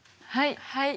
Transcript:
はい。